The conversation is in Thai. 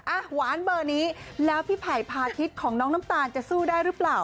อ่ะหวานเบอร์นี้แล้วพี่ไผ่พาทิศของน้องน้ำตาลจะสู้ได้หรือเปล่า